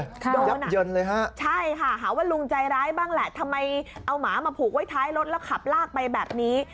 โดนหนักเย็นเลยฮะใช่ค่ะหาว่าลุงใจร้ายบ้างแหละทำไมเอาหมามาผูกไว้ท้ายรถแล้วขับลากไปแบบนี้